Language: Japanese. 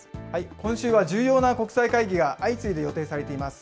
今週は重要な国際会議が相次いで予定されています。